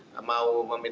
dan mau membeli